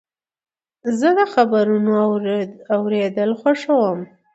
زه د خبرونو اورېدل خوښوم.